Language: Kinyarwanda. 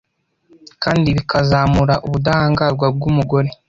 kandi bikazamura ubudahangarwa bw’umugore